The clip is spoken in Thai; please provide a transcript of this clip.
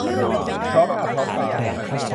พร้อมหน้าพร้อมตา